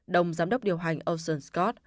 đồng giám đốc điều hành ocean scott